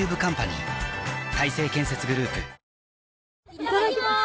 いただきます！